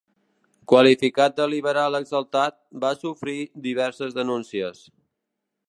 Qualificat de liberal exaltat, va sofrir diverses denúncies.